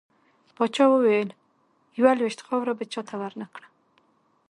پاچا وويل: يوه لوېشت خاوړه به چاته ورنه کړه .